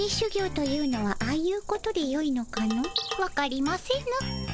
わかりませぬ。